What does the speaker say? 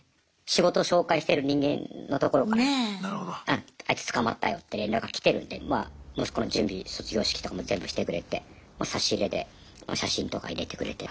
仕事紹介してる人間のところからあいつ捕まったよって連絡来てるんでまあ息子の準備卒業式とかも全部してくれて差し入れで写真とか入れてくれて。